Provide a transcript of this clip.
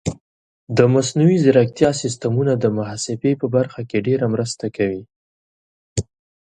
د مصنوعي ځیرکتیا سیستمونه د محاسبې په برخه کې ډېره مرسته کوي.